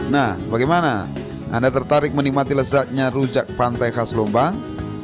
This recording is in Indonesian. nah bagaimana anda tertarik menikmati lezatnya rujak pantai khas lombang